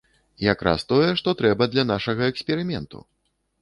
Якраз тое, што трэба для нашага эксперыменту!